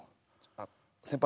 あっ先輩